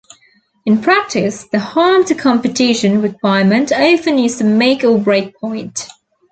In practice, the "harm to competition" requirement often is the make-or-break point.